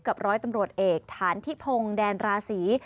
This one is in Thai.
ร้อยตำรวจเอกฐานทิพงศ์แดนราศี